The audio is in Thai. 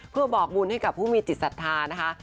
เพื่อบอกบุญให้กับผู้มีจิตศรัทธานะคะ